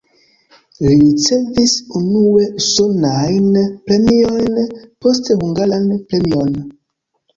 Li ricevis unue usonajn premiojn, poste hungaran premion.